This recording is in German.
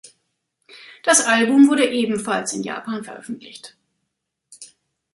Das Album wurde ebenfalls in Japan veröffentlicht.